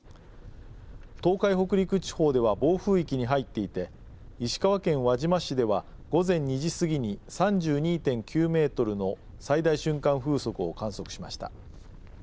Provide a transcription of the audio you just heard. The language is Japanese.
東海、北陸地方では暴風域に入っていて石川県輪島市では午前２時過ぎに３２．９メートルの最大瞬間風速を観測しました。